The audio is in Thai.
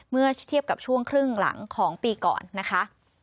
เมื่อเทียบกับช่วงครึ่งหลังของปีก่อนนะคะ